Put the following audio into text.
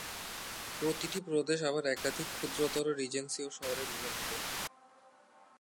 প্রতিটি প্রদেশ আবার একাধিক ক্ষুদ্রতর রিজেন্সি ও শহরে বিভক্ত।